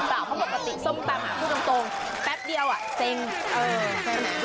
สองตำพูดตรงแป๊บเดียวอ่ะเซ็ง